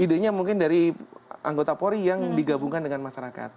idenya mungkin dari anggota polri yang digabungkan dengan masyarakat